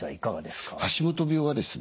橋本病はですね